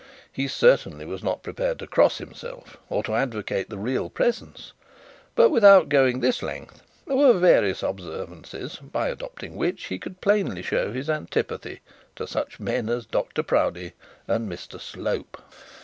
He certainly was not prepared to cross himself, or to advocate the real presence; but, without going this length, there were various observances, by adopting which he could plainly show his antipathy to such men as Dr Proudie and Mr Slope.